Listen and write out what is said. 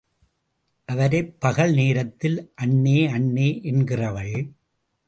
அவரைப் பகல் நேரத்தில், அண்ணே... அண்ணே என்கிறவள்.